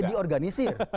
iya di organisir